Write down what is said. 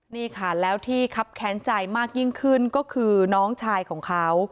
นี่ค่ะแล้วที่คับแค้นใจมากยิ่งขึ้นก็คือน้องชายของเขา